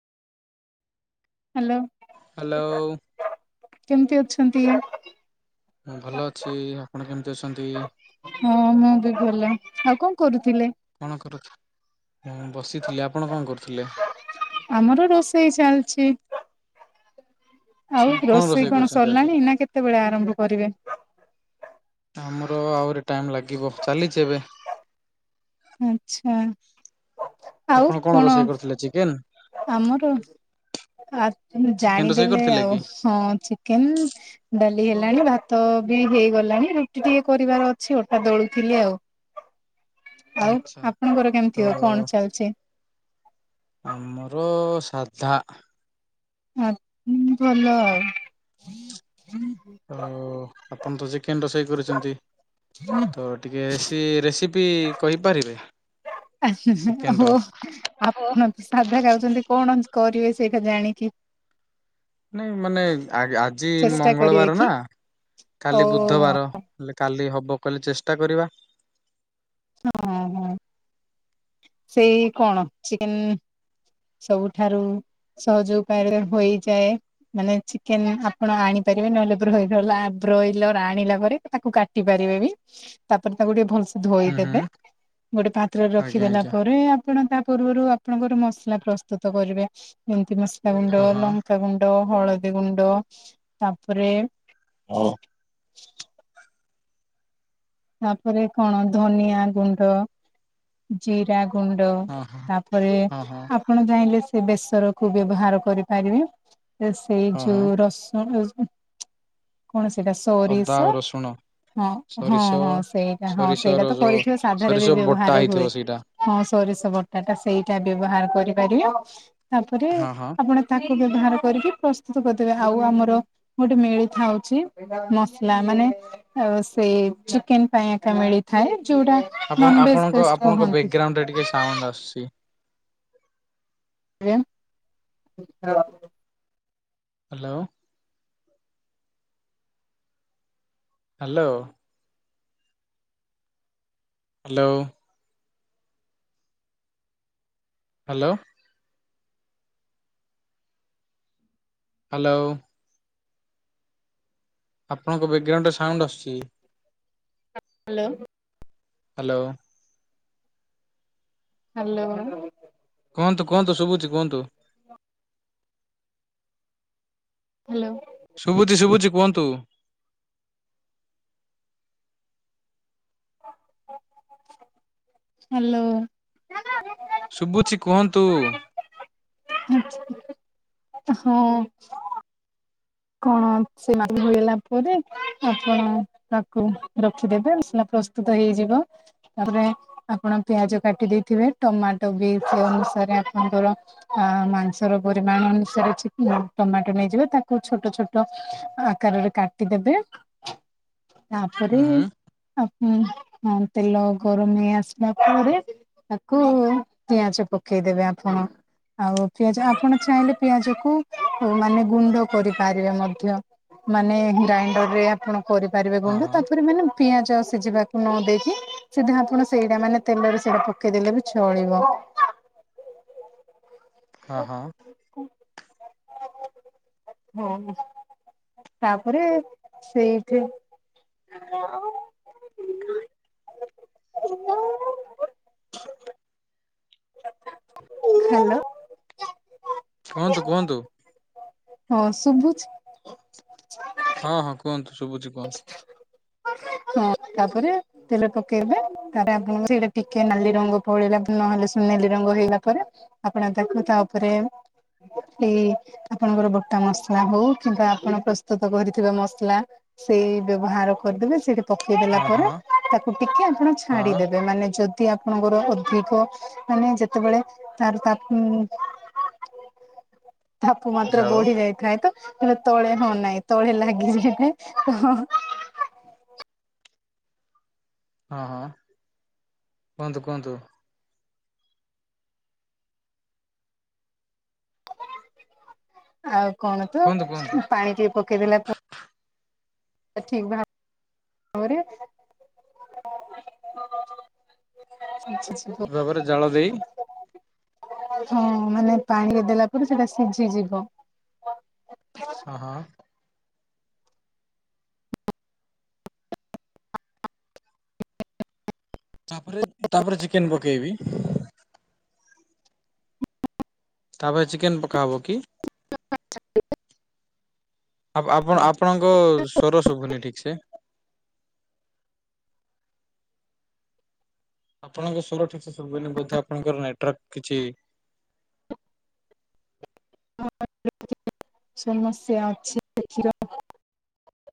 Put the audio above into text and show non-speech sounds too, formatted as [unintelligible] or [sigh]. Hello hello କେମତି ଅଛନ୍ତି? ମୁଁ ଭଲ ଅଛି ଆପଣ କେମତି ଅଛନ୍ତି? ହଁ ମୁଁ ବି ଭଲ। ଆଉ କଣ କରୁଥିଲେ। କଣ କରୁ ମୁଁ ବସିଥିଲି ଆପଣ କଁ କରୁଥୁଲେ? ଏଇ ଚାଲଚି। ଆଉ ଆଚ୍ଛା ରୋଷେଇ କଣ କରିଛନ୍ତି ଆଜି? ସରିଲାଣି ନାଁ କେତେବେଳେ ଆରମ୍ଭ କରିବେ? ର ଆହୁରି ଟାଇମ୍ ଲାଗିବ ଚାଲିଚି ଏବେ। ଆଚ୍ଛା। ଆପଣ କଣ ରୋଷେଇ କରିଥିଲେ ଚିକେନ୍? ଆମର ଆ ଏନ୍ ଚିକେନ ରୋଷେଇ ଜାଣିଦେଲେ କରିଥିଲେ ଆଉ କି ହଁ ଚିକେନ୍ ଡେ ବି ହେଲାଣି ଭାତ ବି ହେଇଗଲାଣି ରୁଟି ଟିକେ କରିବାର ଅଛି ଅଟା ଦଳୁଥିଲି ଆଉ। ଆଉ ଆଚ୍ଛା ଆପଣଙ୍କର ତ କେମତି ଅ କଣ ଚାଲଚି? ଆମର ସାଧା। ଆ ଉଁ ଭଲ ଆଉ। ଓ ଆପଣ ତ ଚିକେନ୍ ରୋଷେଇ କରିଚନ୍ତି। ତ ଟିକେ ସେ ରେସିପି କହିପାରିବେ? ଚିକେନ ହୋ ର ଆପଣ ତ ସାଧା ଖାଉଛନ୍ତି କଣ କରିବେ? ସେଇକା ଜାଣିିକି? ନାଇଁ ମାନେ ଆ ଆଜି ଚେଷ୍ଟା କରିବେ ମଙ୍ଗଳବାର କି ନାଁ‌ ଓ କାଲି ବୁଧବାର ହେଲେ କାଲି ହବ କହିଲେ ଚେଷ୍ଟା କରିବା। ହଁ ହଁ ହଁ ସେଇ କଣ ଚିକେନ୍ ସବୁଠାରୁ ସହଜ ଉପାୟରେ ହୋଇଯାଏ। ମାନେ ଚିକେନ୍ ଆପଣ ଆଣିପାରିବେ ନହେଲେ ବ୍ରଏଲଲା ବ୍ରଏଲର୍ ଆଣିଲା ପରେ ତାକୁ କାଟି ପାରି ଇବେ ବି ତାପରେ ତାକୁ ଟିକେ ଭଲସେ ହୁଁ ହୁଁ। ଦେବେ ଗୋଟେ ପାତ୍ରରେ ଆଜ୍ଞା ରଖିଦେଲା ଆଜ୍ଞା ପରେ ଆପଣ ତା ପୂର୍ବରୁ ଆପଣଙ୍କର ମସଲା ପ୍ରସ୍ତୁତ କରିବେ ଯେମତି ମସଲା ହଁ ଗୁଣ୍ଡ, ହଁ ଲଙ୍କାଗୁଣ୍ଡ, ହଳ ଦୀ ଗୁଣ୍ଡ ତାପରେ ତାପରେ କଣ ଧନିଆ ଗୁଣ୍ଡ, ଜିରା ଗୁଣ୍ଡ ହଁ ହଁ ତାପରେ ହଁ ହଁ ଆପଣ ଚାହିଁଲେ ସେ ବେସରକୁ ବ୍ୟବହାର କରିପାରିବେ। ସେଇ ହଁ ହଁ ଯୋଉ ରସୁଣଜୁ କଣ ସେଟା? ଅଦା ଆଉ ସୋରିଷ! ରସୁଣ ହଁ, ହଁ ସୋରିଷ ହଁ ସେଇଟା ହଁ ସୋରିଷର ସେଇଟା ତ ଯୋଉ କରିଥିବ, ସାଧାରେ ସୋରିଷ ବି ବଟା ବ୍ୟବହାର ହେଇଥିବ ହୁଏ। ସେଇଟା ହଁ, ସୋରିଷ ବଟା ଟା ସେଇଟା ବ୍ୟବହାର କରିପାରିବେ। ତା'ପରେ ହଁ ହଁ ଆପଣ ତାକୁ ବ୍ୟବହାର କରିକି ପ୍ରସ୍ତୁତ କରିଦେବେ। ଆଉ ଆମର ଗୋଟେ ମିଳିଥାଉଛି, ମସଲା ମାନେ ଆଉ, ସେ ଚିକେନ ପାଇଁ ଏକା ମିଳିଥାଏ। ଯୋଉଟା, ଆପଣ ନନ୍ ଭେଜ୍ ଆପଣଙ୍କ ପେଷ୍ଟ ଆପଣଙ୍କ କହନ୍ତି। ବ୍ୟାକଗ୍ରାଉଣ୍ଡରେ ଟିକେ ସାଉଣ୍ଡ ଆସୁଛି ଆୟାଁ [inaudible] hello! Hello! Hello! Hello! Hello! ଆପଣଙ୍କ, ବ୍ୟାଗ୍ ଗ୍ରାଉଣ୍ଡରେ ସାଉଣ୍ଡ ଆସୁଛି। ହାଲୋ! ହାଲୋ! ହାଲୋଓ! କୁହନ୍ତୁ, କୁହନ୍ତୁ, ଶୁଭୁଛି କୁହନ୍ତୁ। ହାଲୋ! ଶୁଭୁଜିି ଶୁଭୁଜିି କୁହନ୍ତୁ। ହାଲୋ! ଶୁଭୁଛି କୁହନ୍ତୁ। ହଁ। କଣ [inaudible] ପରେ ଆପଣ ତାକୁ ରଖିଦେବେ। ଆସିଲା ପ ପ୍ରସ୍ତୁତ ହେଇଯିବ। ତା'ପରେ ଆପଣ ପିଆଜ କାଟି ଦେଇଥିବେ। ଟମାଟୋ ବି ସେମ୍ ସ ଥରେ, ଆପଣଙ୍କର ଅ ମାଂସର ପରିମାଣ ଅନୁସାରେ ଚି ଟମାଟୋ ନେଇଯିବେ। ତାକୁ ଛୋଟ, ଛୋଟ ଆକାରରେ କାଟିଦବେ। ତା'ପରେ ହୁଁ ହୁଁ ଆକୁଁ, ହଁ ତେଲ ଗରମ ହେଇ ଆସିଲା ପରେ ତାକୁ-ଉ ପିଆଜ ପକେଇ ଦେବେ ଆପଣ। ଆଉ ପିଆଜ ଆପଣ ଚାହିଁଲେ, ପିଆଜ କୁ ମାନେ ଗୁଣ୍ଡ କରିପାରିବେ ମଧ୍ୟ। ମାନେ ଗ୍ରାଇଣ୍ଡରରେ ଆପଣ କରିପାରିବେ ହଁ ଗୁଣ୍ଡ। ହଁ ତା'ପରେ ମାନେ ପିଆଜ ସିଝିବାକୁ ନ ଦେଇକି! ସିଧା ଆପଣ ସେଇଟା, ମାନେ ତେଲରେ ସେଇଟା, ପକେଇଦେଲେ ବି ଛଳିବ। [inaudible] ହଁ ହଁ, [inaudible] ହଉ, ତା'ପରେ ସେଇଠେ [inaudible] [inaudible] ହାଲୋ! କୁହନ୍ତୁ, କୁହନ୍ତୁ। ହଁ, ଶୁଭୁଛି? ହଁ ହଁ, କୁହନ୍ତୁ। ଶୁଭୁଛି କୁହନ୍ତୁ ହଁ ତା'ପରେ ତେଲ ପକେଇବେ, ତାରେ ଆପଣଙ୍କୁ ସେଇଟା ଟିକେ ନାଲି ରଙ୍ଗ ପଳେଇଲା ନହେଲେ, ସୁନେଲି ରଙ୍ଗ ହେଲା ପରେ ଆପଣ ତାକୁ ତା'ଉପରେ ଏଇ ଆପଣଙ୍କର ବଟା ମସଲା ହଉ କିମ୍ବା ଆପଣ ପ୍ରସ୍ତୁତ କରିଥିବା ମସଲା ସେଇ ବ୍ୟବହାର କରିଦେବେ। ସେଇଠେ ପକେଇଦେଲା ହଁ ପରେ ହଁ ତାକୁ ଟିକେ ଆପଣ ହଁ ଛାଡିଦେବେ। ମାନେ ଯଦ୍ ଯଦି ଆପଣଙ୍କର ଅଧିକ, ମାନେ ଯେତେବେଳେ ତାର ତାପ୍ ଉଁ [inaudible] ତାପ ମାତ୍ରା ଜାଳ ବଢି ଯାଇଥାଏ। ତ ତଳେ ହଁ, ନାହିଁ ତଳେ ଲାଗିଯାଇଥାଏ। ହଁ ହଁ। ହଁ ହଁ। କୁହନ୍ତୁ, କୁହନ୍ତୁ। ଆଉ କଣ, ତ କୁହନ୍ତୁ କୁହନ୍ତୁ ପାଣି ଟିକେ ପକେଇେଦେଲା, ପ ଠିକ୍, ଭା-ବରେ। ହ [unintelligible] ଜବର ଜାଳ ଦେଇ ହଁ, ମାନେ ପାଣିରେ ଦେଲା ପରେ ସେଟା ସିଝିଯିବ। ହଁ, ହଁ। ତାପରେ, ତାପରେ ଚିକେନ୍ ପକେଇବି? ତାପରେ ଚିକେନ୍ ପକା ହବ କି? ଆପ, ଆପଣ- ଆପଣଙ୍କ ସ୍ଵର ସୁଭୁନି ଠିକ୍ ସେ। ଆପଣଙ୍କ ସ୍ବର ଠିକ୍ ସେ ସୁବୁନି ବୋଧେ ଆପଣଙ୍କର ନେଟୱାର୍କ କିଛି [unintelligible] ମା ସମସ୍ୟା ଅଛି